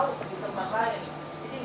atau di tempat lain